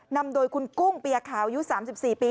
นำโดยคุณกุ้งปียาข่ายู่สามสิบสี่ปี